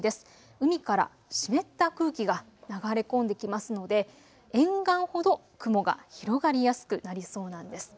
海から湿った空気が流れ込んできますので沿岸ほど雲が広がりやすくなりそうなんです。